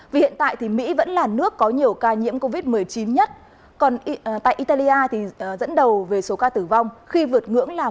vì hiện tại thì mỹ vẫn là nước có nhiều ca nhiễm covid một mươi chín nhất còn tại italia thì dẫn đầu về số ca tử vong khi vượt ngưỡng là một